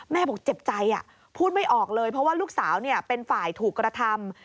บอกเจ็บใจพูดไม่ออกเลยเพราะว่าลูกสาวเป็นฝ่ายถูกกระทำ